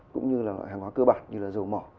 cũng như là loại hàng hóa cơ bản như là dầu mỏ